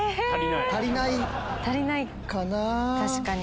足りない確かに。